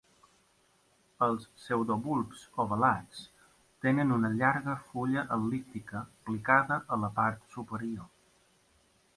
Els pseudobulbs ovalats tenen una llarga fulla el·líptica plicada a la part superior.